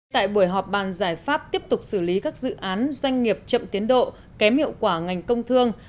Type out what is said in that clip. tại buổi họp bàn giải pháp tiếp tục xử lý các dự án doanh nghiệp chậm tiến độ kém hiệu quả ngành công thương